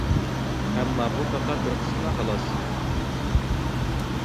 ئەمما بۇ پەقەت بىر قىسمىلا خالاس.